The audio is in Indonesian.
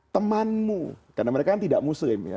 temanmu karena mereka kan tidak muslim ya